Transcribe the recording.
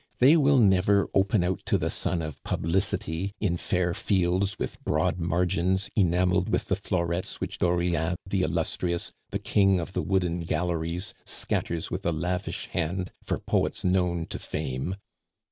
They will never open out to the sun of publicity in fair fields with broad margins enameled with the florets which Dauriat the illustrious, the king of the Wooden Galleries, scatters with a lavish hand for poets known to fame.